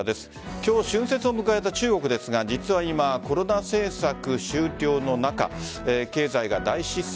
今日、春節を迎えた中国ですが実は今コロナ政策終了の中経済が大失速。